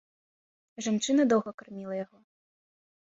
Жанчына доўга карміла яго.